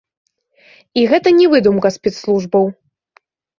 І гэта не выдумка спецслужбаў.